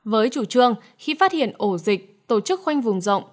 với chủ trương khi phát hiện ổ dịch tổ chức khoanh vùng rộng